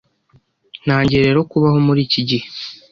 Ntangiye rero kubaho muri iki gihe